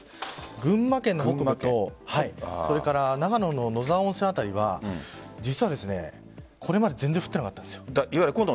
群馬県の北部と長野の野沢温泉辺りは実はこれは全然降っていなかった。